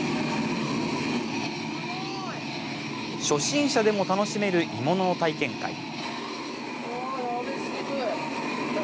初心者でも楽しめる鋳物の体験会。